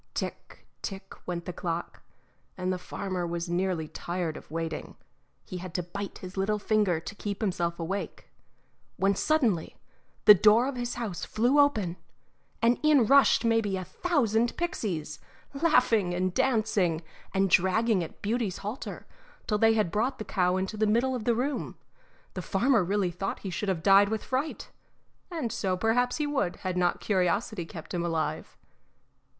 Tick, tick, went the clock, and the farmer was nearly tired of waiting; he had to bite his little finger to keep himself awake, when suddenly the door of his house flew open, and in rushed maybe a thousand pixies, laughing and dancing and dragging at Beauty's halter till they had brought the cow into the middle of the room. The farmer really thought he should have died with fright, and so perhaps he would had not curiosity kept him alive.